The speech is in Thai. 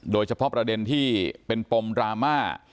โดยเฉพาะประเด็นที่เป็นปมดราม่า